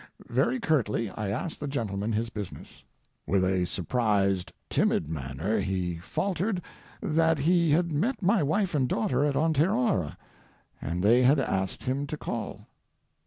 Very curtly I asked the gentleman his business. With a surprised, timid manner he faltered that he had met my wife and daughter at Onteora, and they had asked him to call.